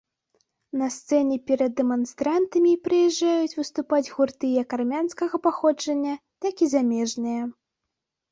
На сцэне перад дэманстрантамі прыязджаюць выступаць гурты як армянскага паходжання, так і замежныя.